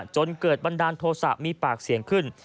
จนเกิดบันดาลโทษะมีปากเสียงขึ้น